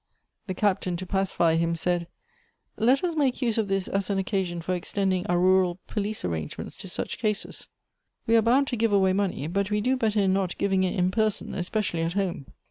The Captain, to pacify him, said, " Let us make use of this as an occasion for extending our rural police arrange ments to such cases. We are bound to give away money, but we do better in not giving it in person, especially at home.